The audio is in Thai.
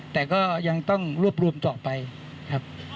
แต่ก็ยังต้องรวบรวมต่อไปครับ